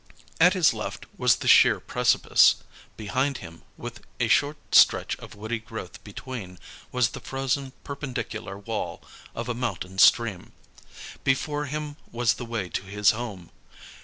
At his left was the sheer precipice. Behind him, with a short stretch of woody growth between, was the frozen perpendicular wall of a mountain stream. Before him was the way to his home.